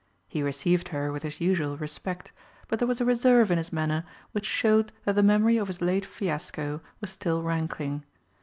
He received her with his usual respect, but there was a reserve in his manner which showed that the memory of his late fiasco was still rankling.